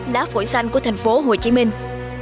lá phổi xanh của thành phố hồ chí minh